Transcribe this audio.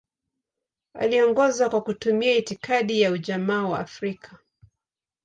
Aliongoza kwa kutumia itikadi ya Ujamaa wa Afrika.